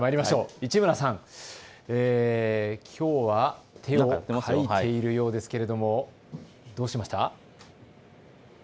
市村さん、きょうは手をかいているようですけれどもどうました？